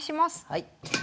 はい。